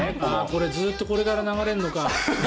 これずっとこれから流れるのか。